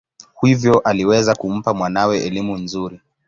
Hivyo aliweza kumpa mwanawe elimu nzuri.